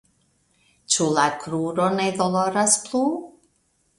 Ĉu la kruro ne doloras plu?